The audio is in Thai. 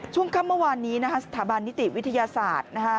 ช่วงค่ำเมื่อวานนี้สถาบันนิติวิทยาศาสตร์